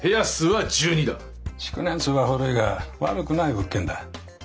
築年数は古いが悪くない物件だ。